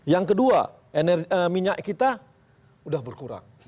yang kedua minyak kita sudah berkurang